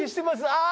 ああ。